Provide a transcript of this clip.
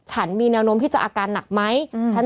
จากที่ตอนแรกอยู่ที่๑๐กว่าขึ้นมาเป็น๒๐ตอนนี้๓๐กว่าศพแล้ว